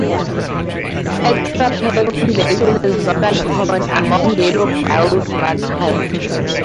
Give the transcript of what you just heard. Extra-pair copulation is not uncommon among yellow-billed magpies.